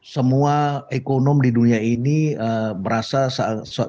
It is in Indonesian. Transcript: semua ekonom di dunia ini merasa sangat